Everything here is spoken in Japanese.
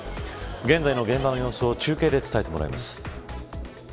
現在の現場の様子を中継で伝えてもらいます。